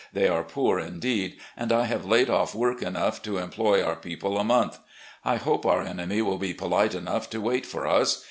They are poor indeed, and I have laid off work enough to employ our people a month. I hope our enemy will be polite enough to wait for us.